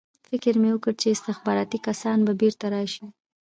فکر مې وکړ چې استخباراتي کسان به بېرته راشي